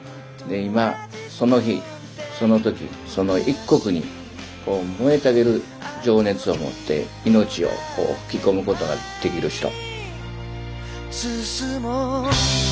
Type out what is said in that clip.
今その日その時その一刻にこう燃えたぎる情熱を持って命を吹き込むことができる人。